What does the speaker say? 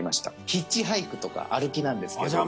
ヒッチハイクとか歩きなんですけど。